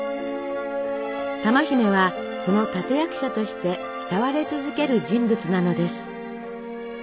珠姫はその立て役者として慕われ続ける人物なのです。